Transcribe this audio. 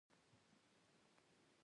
بېاړیکو ژوند له ټولنې جلا کېږي.